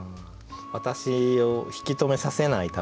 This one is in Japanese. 私を引き止めさせないための口実。